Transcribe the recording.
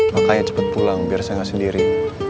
makanya cepet pulang biar saya nggak sendiri